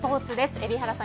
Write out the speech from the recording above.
海老原さん